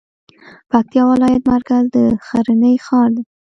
پکتيکا ولايت مرکز د ښرنې ښار دی